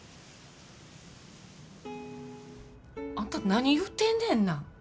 あんた何言うてんねんな。